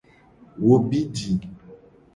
Wo bi ji.